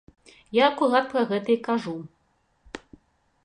Я акурат пра гэта і кажу.